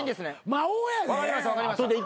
魔王やで。